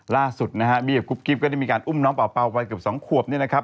ล่าสุดนะฮะบี้กับกุ๊กกิ๊บก็ได้มีการอุ้มน้องเป่าวัยเกือบ๒ขวบเนี่ยนะครับ